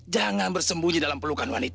jangan bersembunyi dalam pelukan wanita